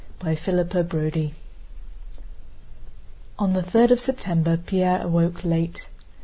CHAPTER XXXIII On the third of September Pierre awoke late.